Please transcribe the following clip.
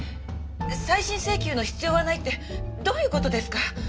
再審請求の必要はないってどういう事ですか？